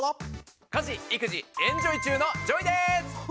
家事育児エンジョイ中のＪＯＹです！